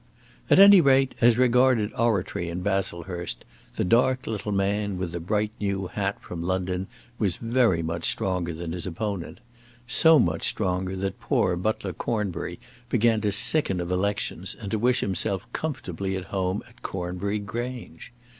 At any rate, as regarded oratory in Baslehurst the dark little man with the bright new hat from London was very much stronger than his opponent, so much stronger that poor Butler Cornbury began to sicken of elections and to wish himself comfortably at home at Cornbury Grange.